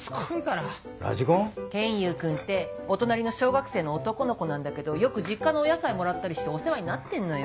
賢雄君ってお隣の小学生の男の子なんだけどよく実家のお野菜もらったりしてお世話になってんのよ。